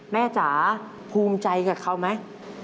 จ๋าภูมิใจกับเขาไหม